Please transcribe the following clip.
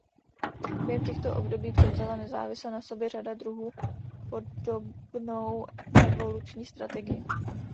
Během těchto období převzala nezávisle na sobě řada druhů podobnou evoluční strategii.